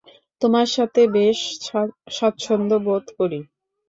তোমার সাথে বেশ স্বাচ্ছন্দ্যবোধ করি।